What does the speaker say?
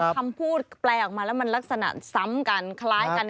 คำพูดแปลออกมาแล้วมันลักษณะซ้ำกันคล้ายกัน